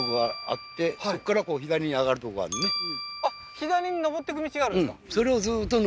左に上っていく道があるんですか？